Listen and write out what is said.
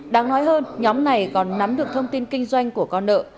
đáng nói hơn nhóm này còn nắm được thông tin kinh doanh của con nợ